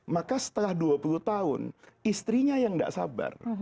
maka setelah dua puluh tahun istrinya yang tidak sabar